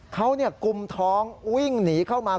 เขากุมท้องวิ่งหนีเข้ามา